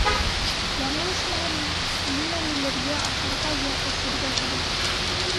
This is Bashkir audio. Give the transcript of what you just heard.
Яңылышмаһам, нимәнелер йә ашарға, йә эсергә кәрәк.